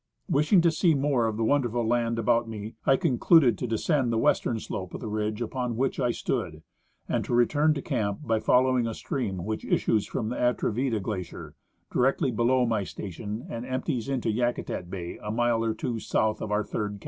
Wishing to see more of the wonderful land about me, I con cluded to descend the western sloj^e of the ridge upon Avhich I stood, and to return to camij l^y following a stream Avhich issues from the Atrevida glacier directly beloAV my station and empties into Yakutat bay a mile or two south of our third camji.